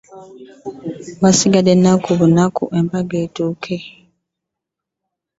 Wasigadde nnaku bunaku embaga etuuke.